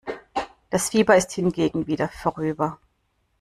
Das Fieber ist hingegen wieder vorüber.